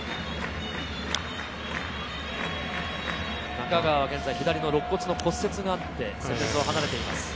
中川は現在、左の肋骨の骨折があって戦列を離れています。